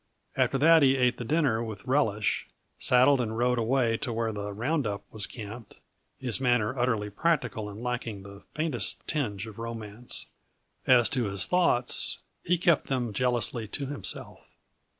After that he ate his dinner with relish, saddled and rode away to where the round up was camped, his manner utterly practical and lacking the faintest tinge of romance. As to his thoughts he kept them jealously to himself.